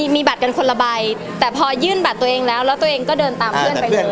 มีบัตรกันคนละใบแต่พอยื่นบัตรตัวเองแล้วแล้วตัวเองก็เดินตามเพื่อนไปเลย